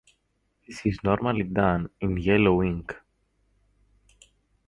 This is normally done in yellow ink.